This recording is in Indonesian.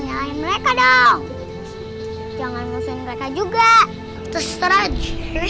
nyanyi mereka dong jangan ngusin mereka juga terus terjadi